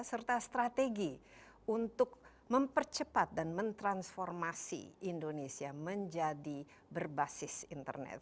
serta strategi untuk mempercepat dan mentransformasi indonesia menjadi berbasis internet